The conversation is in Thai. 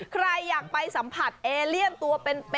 ใครอยากไปสัมผัสเอเลียนตัวเป็น